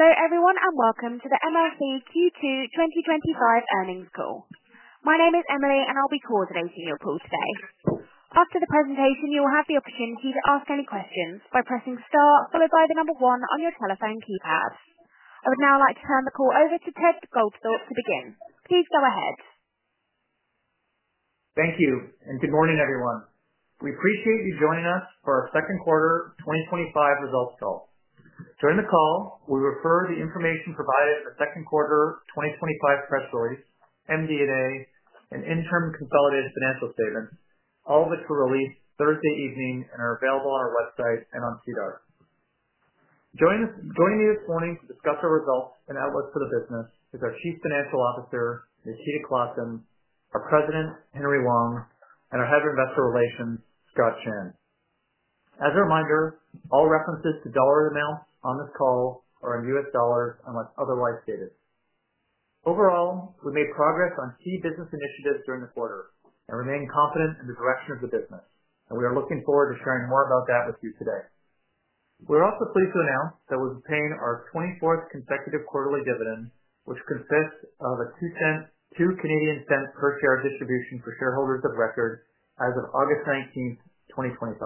Hello, everyone, and welcome to MLC's Q2 2025 Earnings Call. My name is Emily, and I'll be coordinating your call today. After the presentation, you will have the opportunity to ask any questions by pressing star, followed by the number one on your telephone keypad. I would now like to turn the call over to Ted Goldthorpe to begin. Please go ahead. Thank you, and good morning, everyone. We appreciate you joining us for our second quarter 2025 results call. During the call, we refer to the information provided in the second quarter 2025 press release, MD&A, and interim consolidated financial statements, all of which were released Thursday evening and are available on our website and on TDARS. Joining us this morning to discuss our results and outlook for the business is our Chief Financial Officer, Nikita Klassen, our President, Henry Wang, and our Head of Investor Relations, Scott Chan. As a reminder, all references to dollar amounts on this call are in U.S. dollars unless otherwise stated. Overall, we made progress on key business initiatives during the quarter and remain confident in the direction of the business, and we are looking forward to sharing more about that with you today. We're also pleased to announce that we're paying our 24th consecutive quarterly dividend, which consists of a 0.02 per share distribution for shareholders of record as of August 19th, 2025.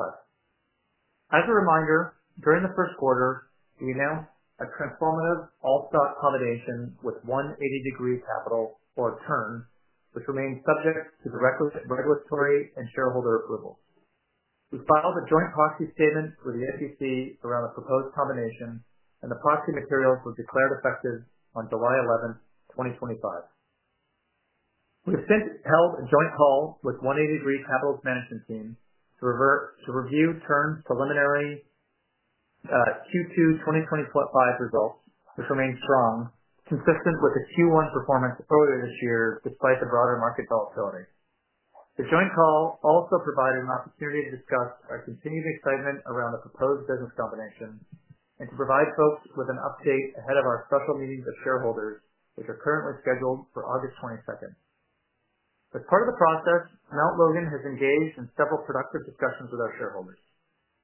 As a reminder, during the first quarter, we announced a transformative all-stock combination with 180 Degree Capital, or TURN, which remains subject to regulatory and shareholder approval. We filed a joint proxy statement for the SEC around the proposed combination, and the proxy materials were declared effective on July 11, 2025. We've since held a joint call with the 180 Degree Capital management team to review TURN's preliminary Q2 2025 results, which remain strong, consistent with the Q1 performance earlier this year, despite the broader market volatility. The joint call also provided an opportunity to discuss our continued excitement around the proposed business combination and to provide folks with an update ahead of our special meetings of shareholders, which are currently scheduled for August 22nd. As part of the process, Mount Logan has engaged in several productive discussions with our shareholders.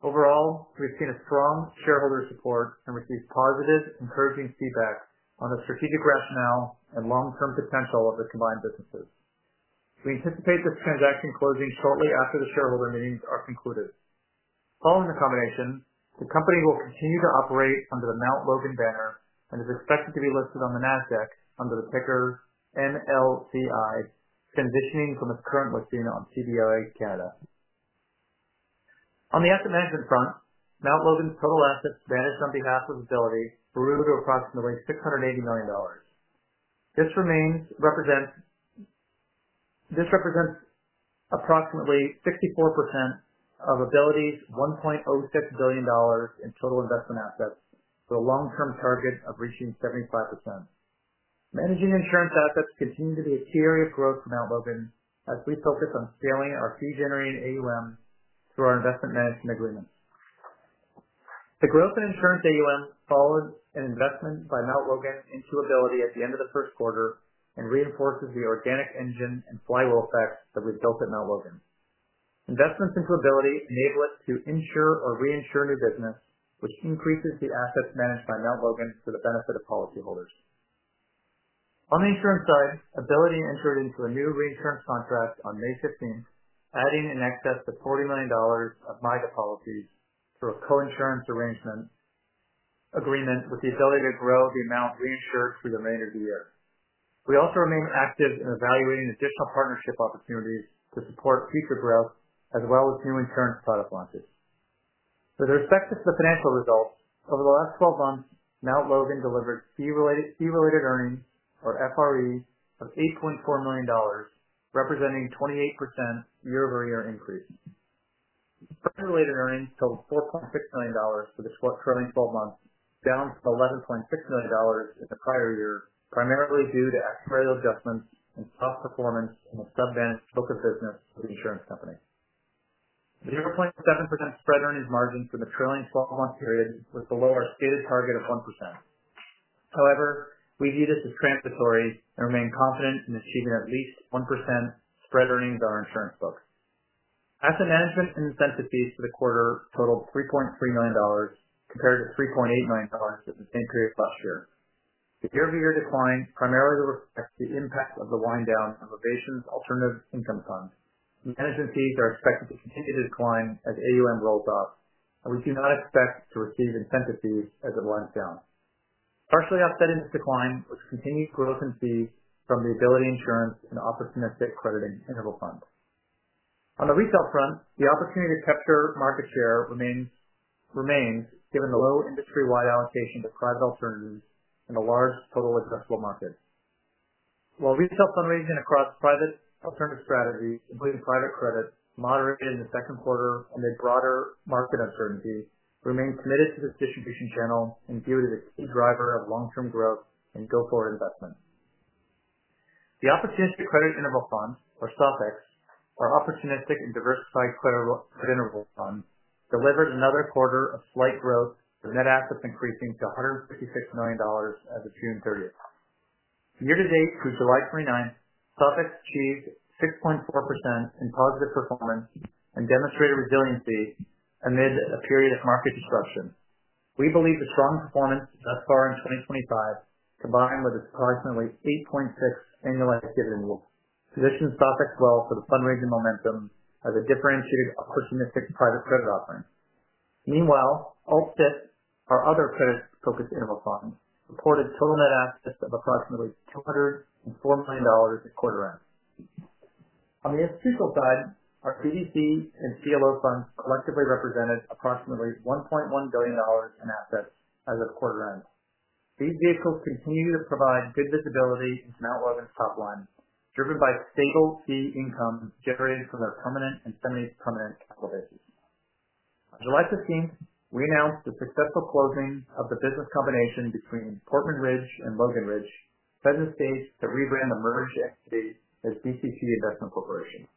Overall, we've seen strong shareholder support and received positive, encouraging feedback on the strategic rationale and long-term potential of the combined businesses. We anticipate the transaction closing shortly after the shareholder meetings are concluded. Following the combination, the company will continue to operate under the Mount Logan banner and is expected to be listed on NASDAQ under the ticker MLCI, transitioning from its current listing on CDSL Canada. On the asset management front, Mount Logan's total assets managed on behalf of Ability grew to approximately $680 million. This represents approximately 64% of Ability's $1.06 billion in total investment assets, with a long-term target of reaching 75%. Managing insurance assets continued to be a serious growth for Mount Logan as we focus on scaling our fee-generating AUM through our investment management agreement. The growth in insurance AUMs followed an investment by Mount Logan into Ability at the end of the first quarter and reinforces the organic engine and flywheel effects that resulted in Mount Logan. Investments into Ability enable us to insure or reinsure new business, which increases the assets managed by Mount Logan for the benefit of policyholders. On the insurance side, Ability entered into a new reinsurance contract on May 15th, adding in excess of $40 million of MYGA policies through a co-insurance arrangement agreement with the ability to grow the amount reinsured for the remainder of the year. We also remain active in evaluating additional partnership opportunities to support future growth, as well as new insurance product launches. With respect to the financial results, over the last 12 months, Mount Logan delivered fee-related earnings, or FRE, of $8.4 million, representing a 28% year-over-year increase. Spread-related earnings total $4.6 million for the short trailing 12 months, down from $11.6 million in the prior year, primarily due to actuarial adjustments and soft performance in the sub-managed book of business of the insurance company. The 0.7% spread earnings margins in the trailing 12-month period were below our stated target of 1%. However, we view this as transitory and remain confident in achieving at least 1% spread earnings on our insurance book. Asset management and incentive fees for the quarter totaled $3.3 million compared to $3.8 million in the same period last year. The year-over-year decline primarily reflects the impact of the wind-down of the Ovation Alternative Income Fund. Management fees are expected to continue to decline as AUM rolls up, and we do not expect to receive incentive fees as it winds down. Partially offsetting this decline was continued growth in fees from the Ability Insurance and Opportunistic Crediting Interval Fund. On the retail front, the opportunity to capture market share remains given the low industry-wide allocation to private alternatives and the large total addressable market. While retail fundraising across private alternative strategies, including private credit, moderated in the second quarter amid broader market uncertainty, we remain committed to this distribution channel and view it as a key driver of long-term growth and go-forward investment. The Opportunistic Credit Interval Fund, or SOFIX, or Opportunistic and Diversified Credit Interval Fund, delivered another quarter of slight growth, with net assets increasing to $156 million as of June 30. From year to date, through July 29, SOFIX achieved 6.4% in positive performance and demonstrated resiliency amid a period of market disruption. We believe the strong performance thus far in 2024, combined with its approximately 8.6% annualized dividend, positions SOFIX well for the fundraising momentum as a differentiated opportunistic private credit offering. Meanwhile, Alt-CIF our other credit-focused interval fund, reported total net assets of approximately $204 million at quarter end. On the industrial side, our BDC and CLO funds collectively represented approximately $1.1 billion in assets as of quarter end. These vehicles continue to provide good visibility into Mount Logan's top line, driven by stable fee income generated from their permanent and semi-permanent capital bases. On July 15th, we announced the successful closing of the business combination between Portman Ridge and Logan Ridge, setting the stage to rebrand the merged entity as BCC Investment Corporation.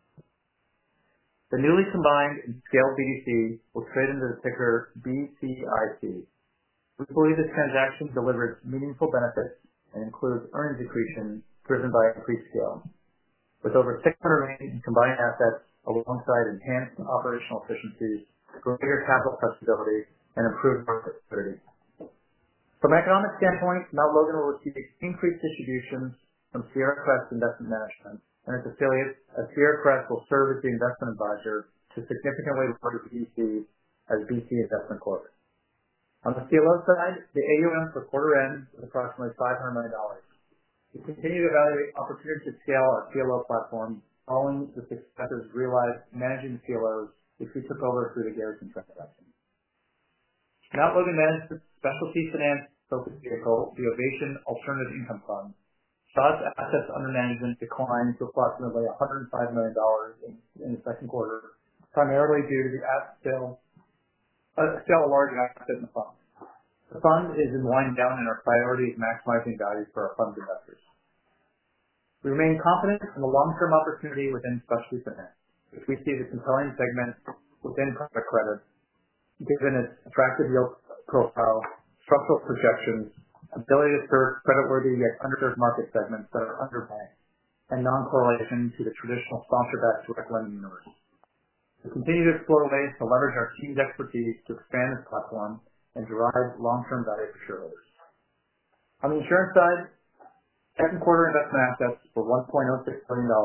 The newly combined and scaled BDC will trade under the ticker BCIC. We believe this transaction delivers meaningful benefits and includes earnings increases driven by increased scale, with over $600 million in combined assets alongside enhanced operational efficiencies, greater capital flexibility, and improved market liquidity. From an economic standpoint, Mount Logan will achieve increased distributions from Sierra Crest Investment Management and its affiliates, as Sierra Crest will serve as the investment advisor to significantly larger BDCs as BCC Investment Corp. On the CLO side, the AUM for quarter end was approximately $500 million. We continue to evaluate opportunities to scale our CLO platform, owning with the expected realized managing the CLOs if we took over through the Garrison transaction. Mount Logan managed the specialty finance-focused vehicle, the Ovation Alternative Income Fund. SOFIX assets under management declined to approximately $105 million in the second quarter, primarily due to the app still a large asset in the fund. The fund is in wind-down, and our priority is maximizing value for our fund's investors. We remain confident in the long-term opportunity within specialty finance, as we see the compelling segment within private credit given its attractive yield profile, structural projections, ability to serve creditworthy yet underserved market segments that are undervalued, and non-correlation to the traditional sponsor-backed select lending universe. We continue to explore ways to leverage our team's expertise to expand this platform and drive long-term value for shareholders. On the insurance side, the second quarter investment assets were $1.06 million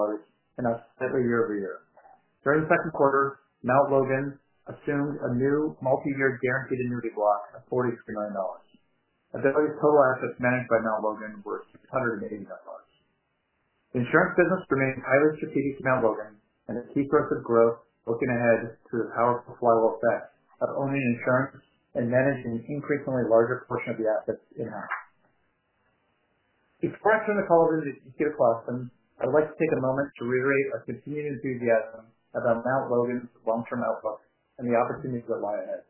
and are slightly year-over-year. During the second quarter, Mount Logan assumed a new multi-year guaranteed annuity block of $46 million. Ability's total assets managed by Mount Logan were $680 million. The insurance business remains highly strategic for Mount Logan, and a key growth looking ahead is through the powerful flywheel effects of owning insurance and managing an increasingly larger portion of the assets in-house. Before I turn the call over to Nikita Klassen, I would like to take a moment to reiterate our continued enthusiasm about Mount Logan's long-term outlook and the opportunities that lie ahead.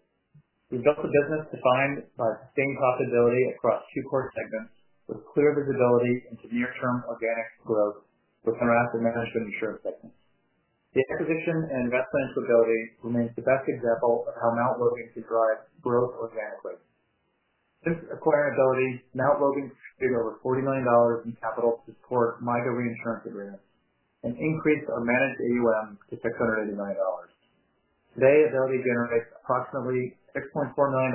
The investment business defined by sustained profitability across two core segments with clear visibility into near-term organic growth within our asset management insurance segment. The acquisition and investment in Ability remains the best example of how Mount Logan can drive growth organically. Since acquiring Ability, Mount Logan secured over $40 million in capital to support MIDE reinsurance agreements and increased our managed AUM to $680 million. Today, Ability generates approximately $6.4 million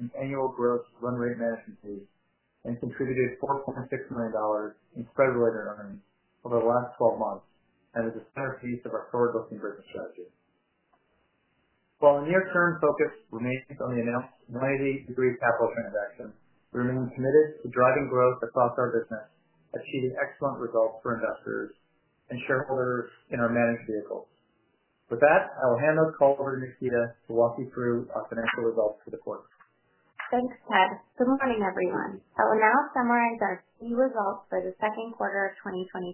in annual growth run rate management fees and contributed $4.6 million in spread related earnings over the last 12 months and is a centerpiece of our forward-looking business strategy. While our near-term focus remains on the 180 Degree Capital transaction, we remain committed to driving growth across our business, achieving excellent results for investors and shareholders in our managed vehicles. With that, I will hand those calls over to Nikita to walk you through our financial results for the quarter. Thanks, Ted. Good morning, everyone. I will now summarize our key results for the second quarter of 2025.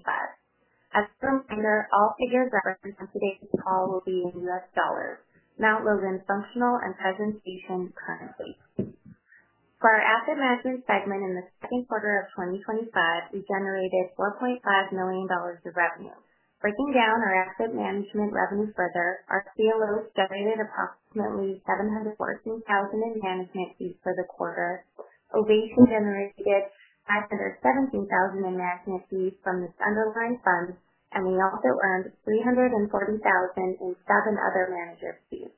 As a reminder, all figures represented in this call will be in U.S. dollars. Mount Logan's functional and presentation currently. For our asset management segment in the second quarter of 2025, we generated $4.5 million in revenue. Breaking down our asset management revenue further, our CLOs generated approximately $714,000 in management fees for the quarter. Ovation generated $517,000 in management fees from its underlying funds, and we also earned $340,000 in seven other manager fees.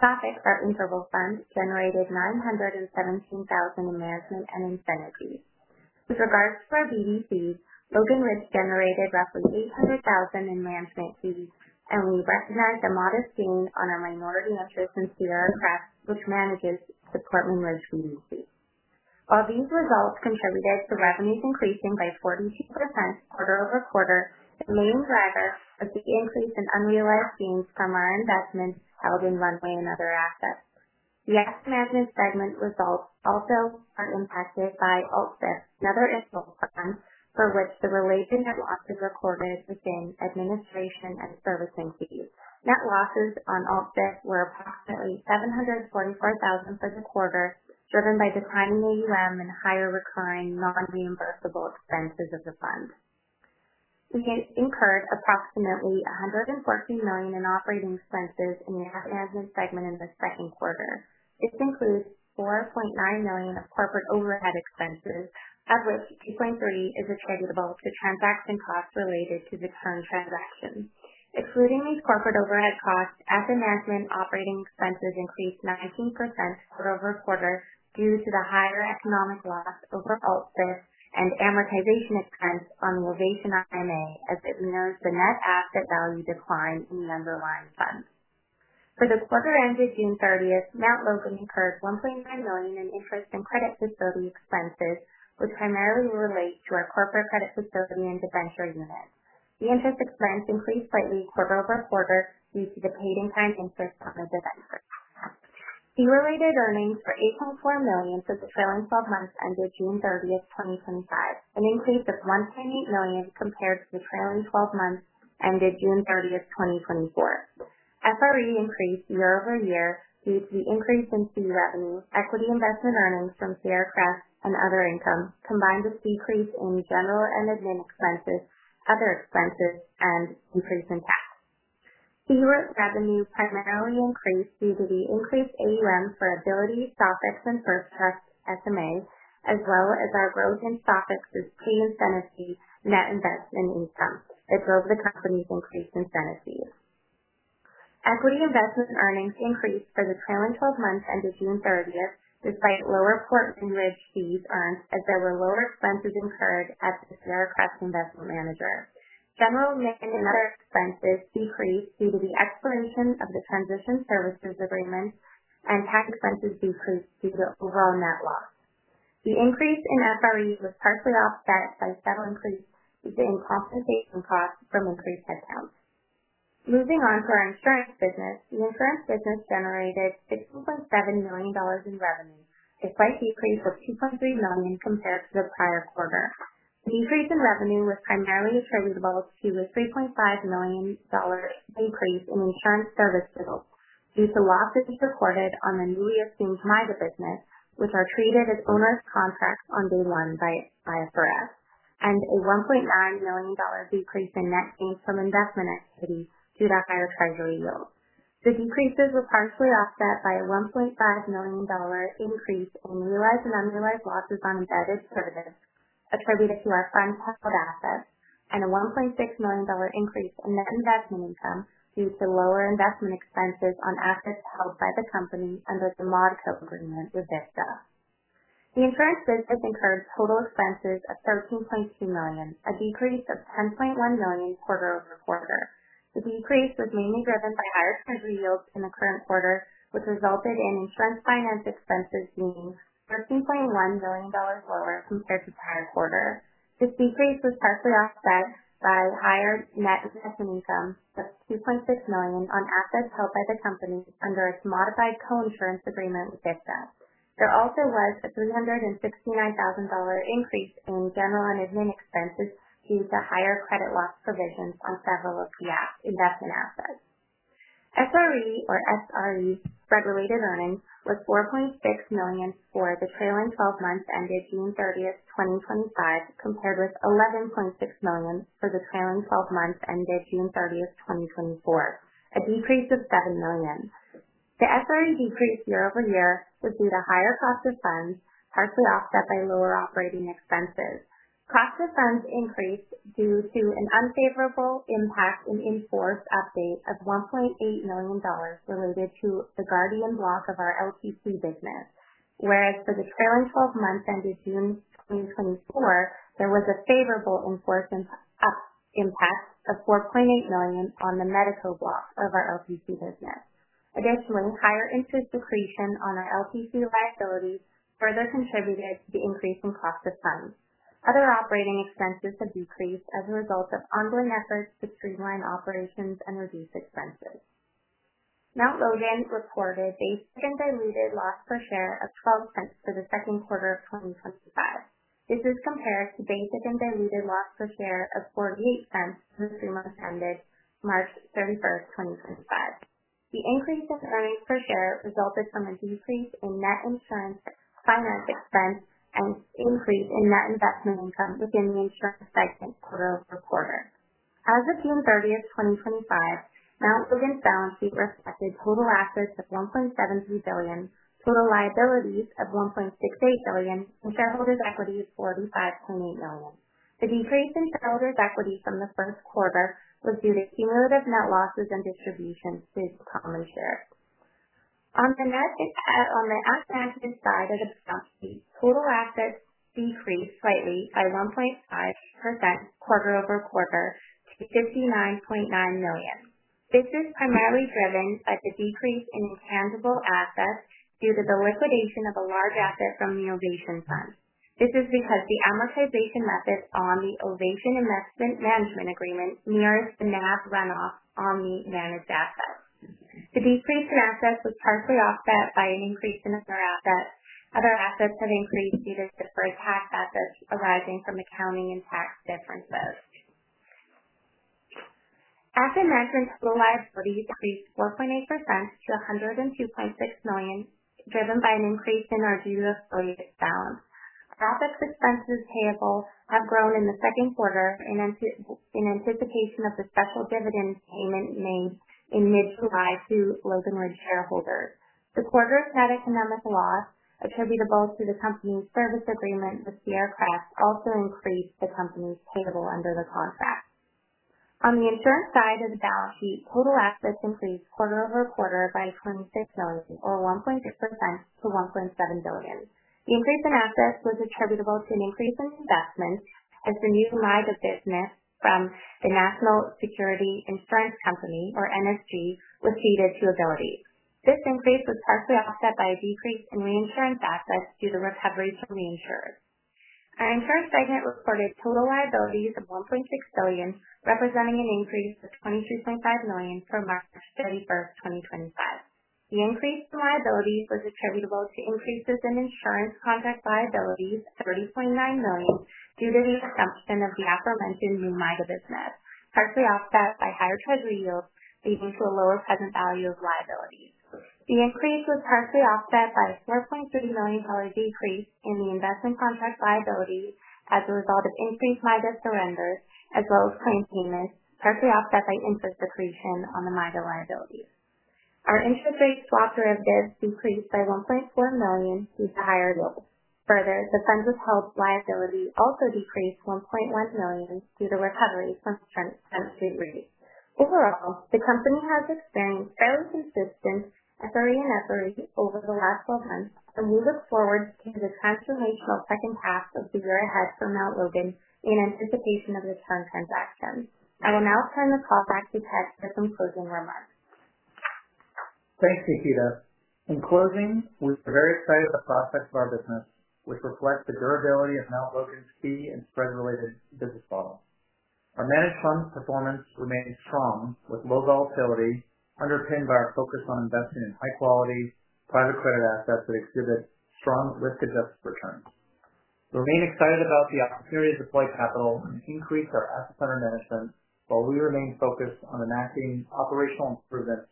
SOFIX, our interval fund, generated $917,000 in management and incentive fees. With regards to our BDC, Logan Ridge generated roughly $800,000 in management fees, and we recognized a modest gain on our minority interest in Sierra Crest, which manages the Portman Ridge BDC. While these results contributed to revenues increasing by 42% quarter-over-quarter, the main driver is the increase in unrealized gains from our investments held in Runway and other assets. The asset management segment results also are impacted by Alt-CIF, another interval fund, for which the related net losses recorded within administration and servicing fees. Net losses on Alt-CIF were approximately $744,000 for the quarter, driven by declining AUM and higher recurring non-reimbursable expenses of the fund. We incurred approximately $114 million in operating expenses in the asset management segment in the second quarter. This includes $4.9 million of corporate overhead expenses, of which $2.3 million is attributable to transaction costs related to the TURN transaction. Excluding these corporate overhead costs, asset management operating expenses increased 19% quarter-over-quarter due to the higher economic loss over Alt-CIF and amortization expense on the Ovation FMA, as it mirrors the net asset value decline in the underlying fund. For the quarter ended June 30th, Mount Logan incurred $1.9 million in interest in credit facility expenses, which primarily relates to our corporate credit facility and debenture unit. The interest expense increased slightly quarter-over-quarter due to the paid-in-kind interest on our debenture. Fee-related earnings were $8.4 million for the trailing 12 months ended June 30th, 2025, and increased to $1.8 million compared to the trailing 12 months ended June 30th, 2024. FRE increased year-over-year due to the increase in fee revenue, equity investment earnings from Sierra Crest, and other income, combined with decrease in general and admin expenses, other expenses, and increase in tax. Fee revenue primarily increased due to the increased AUM for Ability's SOFIX and First Trust's SMA, as well as our growth in SOFIX's paid incentive fee, net investment income, that drove the company's increased incentive fee. Equity investment earnings increased for the trailing 12 months ended June 30th, despite lower Portman Ridge fees earned as there were lower expenses incurred as the Sierra Crest investment manager. General and management expenses decreased due to the expiration of the transition services agreement, and tax expenses decreased due to overall net loss. The increase in FRE was partially offset by subtle increases in compensation costs from increased headcount. Moving on to our insurance business, the insurance business generated $16.7 million in revenue, a slight decrease of $2.3 million compared to the prior quarter. The increase in revenue was primarily attributable to the $3.5 million increase in insurance service bills due to losses recorded on the newly assumed MIDE business, which are treated as owner's contracts on day one by SRS, and a $1.9 million decrease in net gains from investment activity due to higher treasury yields. The decreases were partially offset by a $1.5 million increase in realized and unrealized losses on embedded services attributed to our funds held assets, and a $1.6 million increase in net investment income due to lower investment expenses on assets held by the company under the MODCO agreement with Vista. The insurance business incurred total expenses of $13.2 million, a decrease of $10.1 million quarter-over-quarter. The decrease was mainly driven by higher treasury yields in the current quarter, which resulted in insurance finance expenses being $13.1 million lower compared to the prior quarter. This decrease was partially offset by higher net investment income, $2.6 million on assets held by the company under its modified co-insurance agreement with Vista. There also was a $369,000 increase in general and admin expenses due to higher credit loss provisions on several of the investment assets. SRE, or S.R.E., spread-related earnings were $4.6 million for the trailing 12 months ended June 30th, 2025, compared with $11.6 million for the trailing 12 months ended June 30th, 2024, a decrease of $7 million. The SRE decrease year-over-year was due to higher cost of funds, partially offset by lower operating expenses. Cost of funds increased due to an unfavorable impact in the in-force update of $1.8 million related to the Guardian block of our LTC business, whereas for the trailing 12 months ended June 2024, there was a favorable in-force impact of $4.8 million on the Medico block of our LTC business. Additionally, higher interest depletion on our LTC liability further contributed to the increase in cost of funds. Other operating expenses have decreased as a result of ongoing efforts to streamline operations and reduce expenses. Mount Logan reported a second diluted loss per share of $0.12 for the second quarter of 2025. This is compared to the second diluted loss per share of $0.48 for the three months ended March 31st, 2025. The increase in earnings per share resulted from a decrease in net insurance finance expense and an increase in net investment income within the insurance segment growth per quarter. As of June 30, 2025, Mount Logan Capital Inc.'s balance sheet reflected total assets of $1.73 billion, total liabilities of $1.68 billion, and shareholders' equity of $45.8 million. The decrease in shareholders' equity from the first quarter was due to cumulative net losses and distributions based upon the shares. On the asset management side of the stock, total assets decreased slightly by 1.5% quarter-over-quarter to $59.9 million. This is primarily driven by the decrease in intangible assets due to the liquidation of a large asset from the Ovation Fund. This is because the amortization method on the Ovation Investment Management Agreement mirrors the net asset runoff on the managed assets. The decrease in assets was partially offset by an increase in other assets. Other assets had increased due to the first half assets arising from accounting and tax differences. Asset management total liabilities increased 4.8% to $102.6 million, driven by an increase in our due discount. SOFIX's expenses payable have grown in the second quarter in anticipation of the special dividend payment made in mid-July to Logan Ridge shareholders. The quarter of net economic loss attributable to the company's service agreement with Sierra Crest also increased the company's payable under the cost tax. On the insurance side of the balance sheet, total assets increased quarter-over-quarter by $26 million, or 1.6% to $1.7 billion. The increase in assets was attributable to an increase in investment as the new MIGA business from the National Security Insurance Company, or NSIC, was ceded to Ability. This increase was partially offset by a decrease in reinsurance assets due to recovery from reinsurance. Our insurance segment reported total liabilities of $1.6 billion, representing an increase of $22.5 million from March 31st, 2025. The increase in liabilities was attributable to increases in insurance contract liabilities of $30.9 million due to the assumption of the aforementioned new MIGA business, partially offset by higher treasury yields leading to a lower present value of liabilities. The increase was partially offset by a $4.3 million decrease in the investment contract liabilities as a result of increased MIGA surrenders as well as claim payments, partially offset by interest depletion on the MIGA liabilities. Our interest rate swap derivatives decreased by $1.4 million due to higher yields. Further, the funds withheld liability also decreased $1.1 million due to recovery from stress debriefs. Overall, the company has experienced fairly consistent SRE and FRE over the last 12 months, and we look forward to the transformative height for our second half of the year ahead for Mount Logan in anticipation of the TURN transaction. I will now turn the call back to Ted for some closing remarks. Thanks, Nikita. In closing, we're very excited about the prospects of our business, which reflect the durability of Mount Logan's fee and spread-related business model. Our managed fund's performance remains strong with low volatility, underpinned by our focus on investing in high-quality private credit assets that exhibit strong risk-adjusted returns. We remain excited about the opportunities to deploy capital and increase our asset management while we remain focused on enacting operational improvements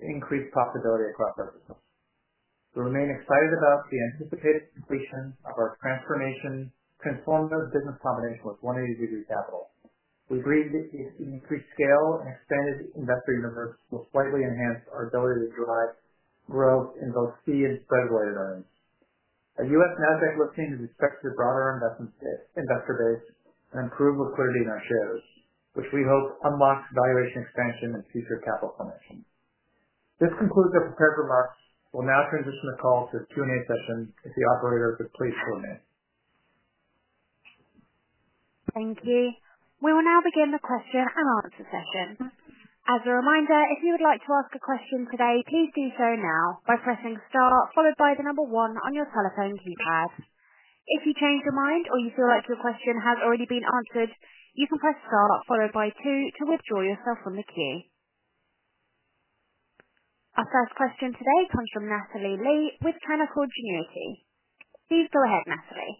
to increase profitability across our business. We remain excited about the anticipated completion of our transformative business combination with 180 Degree Capital. We agree that the increased scale and expanded investor numbers will slightly enhance our ability to drive growth in both fee and spread-related earnings. A U.S. NASDAQ listing is expected to broaden our investor base and improve liquidity in our shares, which we hope unlocks valuation expansion and future capital formation. This concludes our prepared remarks. We'll now transition the call to the Q&A session if the operator is pleased to remain. Thank you. We will now begin the question-and-answer session. As a reminder, if you would like to ask a question today, please do so now by pressing star, followed by the number one on your telephone keypad. If you change your mind or you feel like your question has already been answered, you can press star, followed by two to withdraw yourself from the queue. Our first question today comes from Matthew Lee with Canaccord Genuity. Please go ahead, Matthew Lee.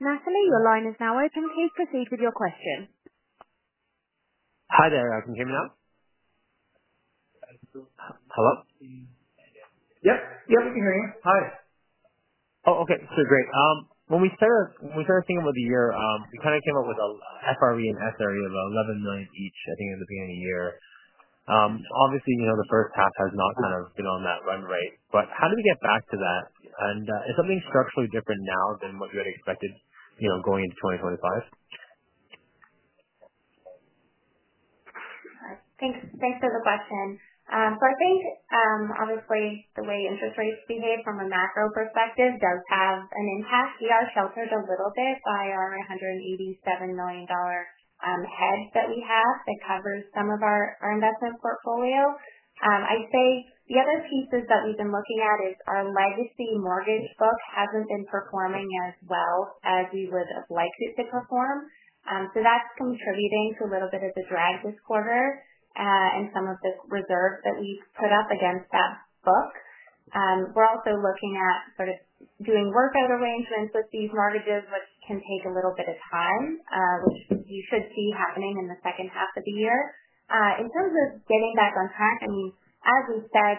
Matthew Lee, your line is now open. Please proceed with your question. Hi there. Can you hear me now? Hello? Yeah, I can hear you. Hi. Okay, great. When we started thinking about the year, we kind of came up with an FRE and SRE of $11.9 million each, I think, at the beginning of the year. Obviously, the first-half has not been on that run rate. How do we get back to that? Is something structurally different now than what you had expected going into 2025? Thanks for the question. I think, obviously, the way interest rates behave from a macro perspective does have an impact. We are sheltered a little bit by our $187 million hedge that we have that covers some of our investment portfolio. I'd say the other pieces that we've been looking at is our legacy mortgage book hasn't been performing as well as we would have liked it to perform. That's contributing to a little bit of the drag this quarter and some of the reserves that we've put up against that book. We're also looking at sort of doing workout arrangements with these mortgages, which can take a little bit of time, which you should see happening in the second half of the year. In terms of getting back on track, as we said,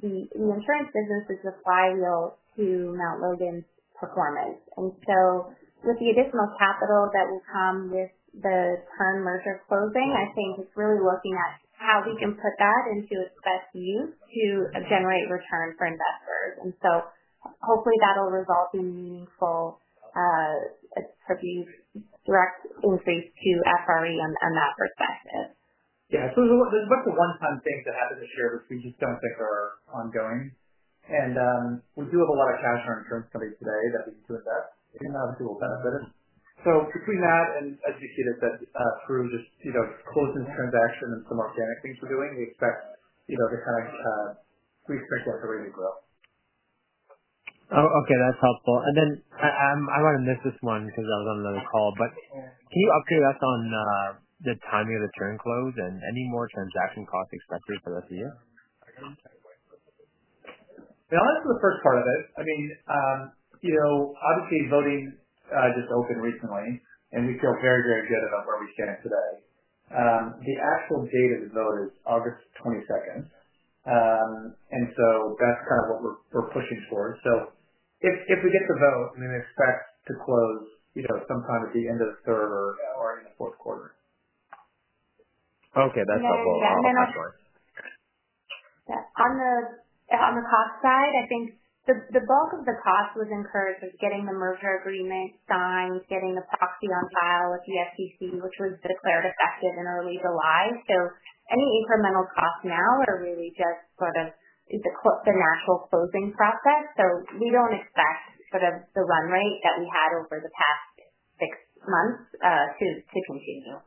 the insurance business is the flywheel to Mount Logan's performance. With the additional capital that will come with the TURN merger closing, I think it's really looking at how we can put that into its best use to generate return for investors. Hopefully, that'll result in meaningful attributes directly linked to FRE on that perspective. Yeah. There are a bunch of one-time things that happened this year, which we just don't think are ongoing. We do have a lot of cash in our insurance company today that we can do with that, and obviously, we'll benefit. Between that and, as we indicated, through this closing transaction and some organic things we're doing, we expect to reach the point where we grow. Okay. That's helpful. I might have missed this one because I was on another call. Can you update us on the timing of the TURN close and any more transaction costs expected for the year? That's the first part of it. You know, obviously, voting just opened recently, and we feel very, very good about where we stand today. The actual date of the vote is August 22nd, and that's kind of what we're pushing for. If we get the vote, we expect to close sometime at the end of the third or end of the fourth quarter. Okay, that's helpful. On the cost side, I think the bulk of the cost was incurred with getting the merger agreement signed, getting the proxy on file with the SEC, which was declared effective in early July. Any incremental costs now are really just part of the natural closing process. We don't expect sort of the run rate that we had over the past six months to continue.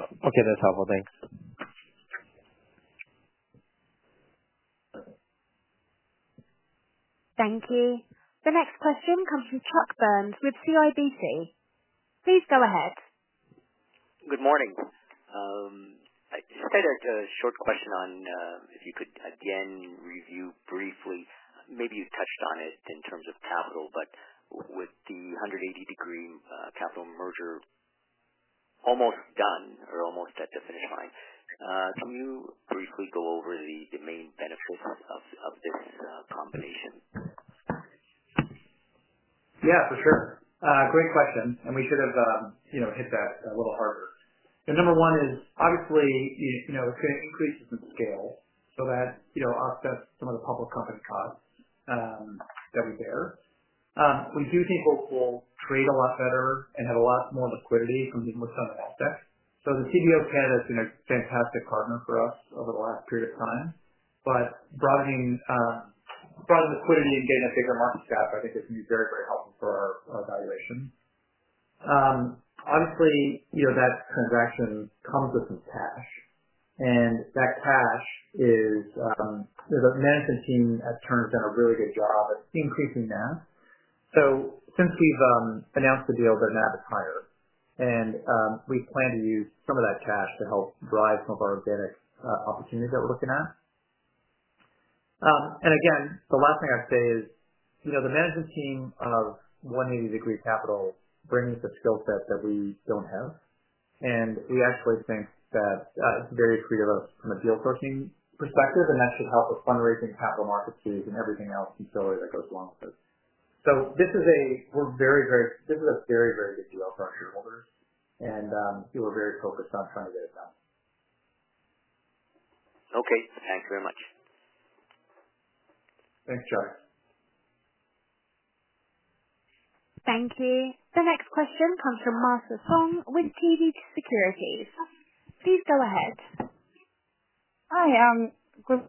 Okay. That's helpful. Thanks. Thank you. The next question comes from Chuck Burns with CIBC. Please go ahead. Good morning. I think there's a short question on if you could again review briefly. Maybe you touched on it in terms of capital, but with the 180 Degree Capital merger almost done or almost at the finish line, can you briefly go over the main benefits of the combination? Yeah, for sure. Great question. We could have hit that a little harder. Number one is, obviously, you know it's going to increase the scale so that offsets some of the public company costs that we bear. We do think we'll trade a lot better and have a lot more liquidity from the income aspect. CDL Canada has been a fantastic partner for us over the last period of time. Broadening liquidity and getting a bigger market cap, I think, is going to be very, very helpful for our valuation. Obviously, that transaction comes with some cash. That cash is the management team at TURN has done a really good job of increasing that. Since we've announced the deal, their NAV is higher. We plan to use some of that cash to help drive some of our organic opportunities that we're looking at. The last thing I'd say is, you know the management team of 180 Degree Capital brings the skill set that we don't have. We actually think that it's very creative from a deal closing perspective, and that should help with fundraising, capital market fees, and everything else that goes along with it. This is a very, very big deal for our shareholders, and people are very focused on trying to get it done. Okay, thanks very much. Thanks, Chuck. Thank you. The next question comes from Masa Song with TD Securities. Please go ahead. Hi. I'm grateful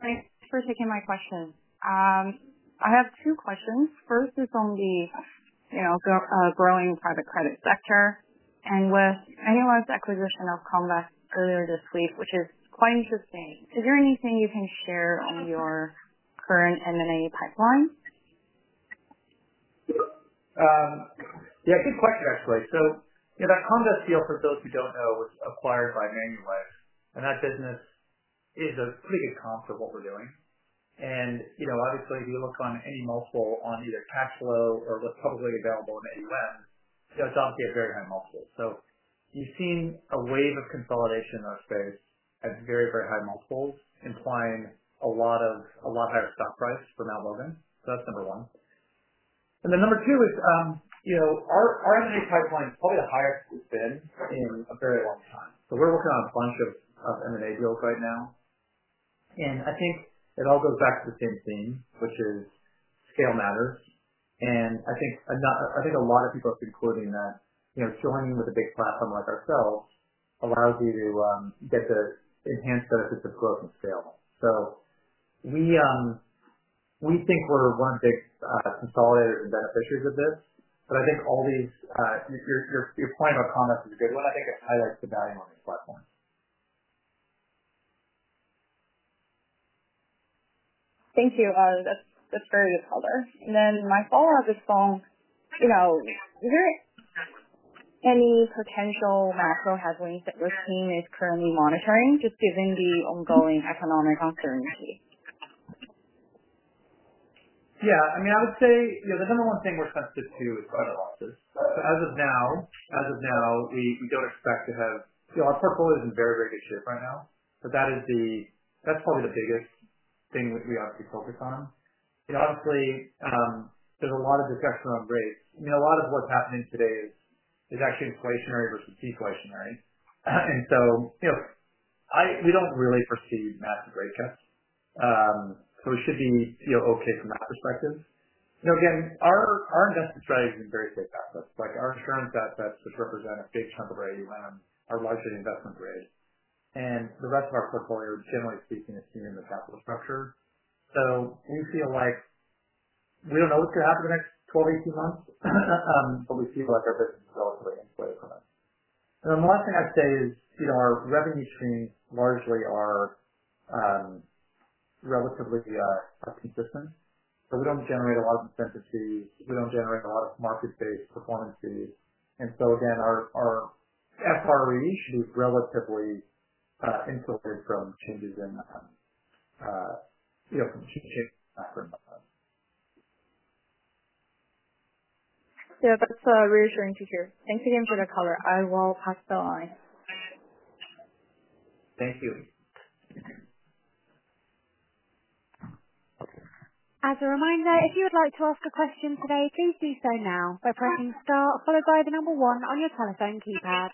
for taking my question. I have two questions. First is on the growing private credit sector. With Manulife's acquisition of Comvesk earlier this week, which is quite interesting, is there anything you can share on your current M&A pipeline? Yeah, good question, actually. That Comvesk deal, for those who don't know, was acquired by Manulife. That business is a pretty good comp for what we're doing. Obviously, if you look on any multiple on either cash flow or what's publicly available in the event, it's obviously a very high multiple. You've seen a wave of consolidation in our space at very, very high multiples, implying a lot of a lot higher stock price for Mount Logan. That's number one. Number two is, our M&A pipeline is probably the highest it's been in a very long time. We're working on a bunch of M&A deals right now. I think it all goes back to the same theme, which is scale matters. I think a lot of people have been quoting that, showing with a big platform like ourselves allows you to get to enhanced benefits of growth and scale. We think we're one of the biggest consolidators and beneficiaries of this. Your point about Comvesk is a good one. I think it highlights the value on these platforms. Thank you. That's very good, Heather. My follow-up is on any potential macro headwinds that you're seeing or currently monitoring, just given the ongoing economic uncertainty. Yeah. I mean, I would say the number one thing we're sensitive to is fund analysis. As of now, we don't expect to have—our portfolio is in very, very good shape right now. That is probably the biggest thing we have to focus on. Honestly, there's a lot of discussion on rates. A lot of what's happening today is actually inflationary versus deflationary. We don't really foresee massive rate cuts, but we should be okay from that perspective. Again, our investment strategy is in very safe assets. Like our insurance assets that represent a big chunk of our AUM are largely investment-grade. The rest of our portfolio, generally speaking, is senior in the capital structure. We feel like we don't know what's going to happen in the next 12, 18 months, but we feel like our business is relatively insulated from it. The last thing I'd say is our revenue streams largely are relatively stable systems. We don't generate a lot of incentive; we don't generate a lot of market-based performance fees. Again, our FRE should be relatively insulated from changes in, you know, from the shifting statements. Yeah, that's reassuring to hear. Thanks again for the call. I will pass the line. Thank you. As a reminder, if you would like to ask a question today, please do so now by pressing star, followed by the number one on your telephone keypad.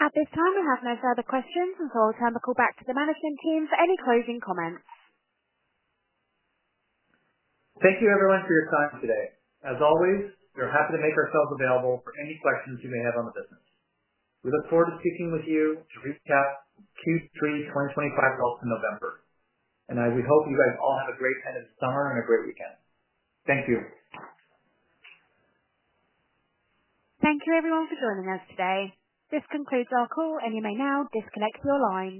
At this time, we have no further questions, and I'll turn the call back to the management team for any closing comments. Thank you, everyone, for your time today. As always, we're happy to make ourselves available for any questions you may have on the business. We look forward to speaking with you to recap Q3 2025 results in November. We hope you guys all have a great time of summer and a great weekend. Thank you. Thank you, everyone, for joining us today. This concludes our call, and you may now disconnect your line.